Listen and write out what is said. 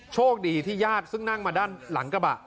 โชคดีที่ญาติซึ่งนั่งมาด้านหลังกระบะ